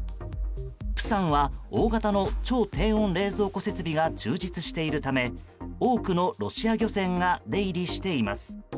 釜山は大型の超低温冷蔵庫設備が充実しているため多くのロシア漁船が出入りしています。